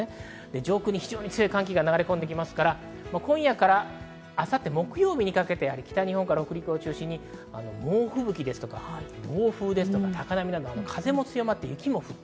上空に非常に強い寒気が流れ込んできますから、今夜から明後日木曜日にかけて、北日本から北陸を中心に猛吹雪とか暴風、高波など、風も強まって雪も降る。